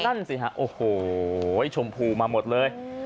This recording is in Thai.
นั่นสิฮะโอ้โหชมพูมาหมดเลย